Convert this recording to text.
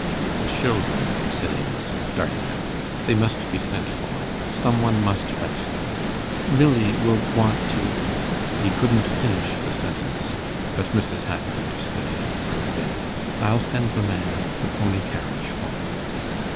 'The children,' said Amos, starting up. 'They must be sent for. Some one must fetch them. Milly will want to ...' He couldn't finish the sentence, but Mrs. Hackit understood him, and said, 'I'll send the man with the pony carriage for 'em.